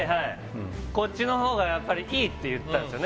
こっちの方がやっぱりいいって言ったんですよね